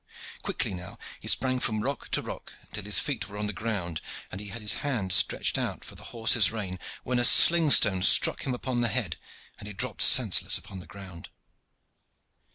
Quickly now he sprang from rock to rock until his feet were on the ground, and he had his hand stretched out for the horse's rein, when a sling stone struck him on the head, and he dropped senseless upon the ground.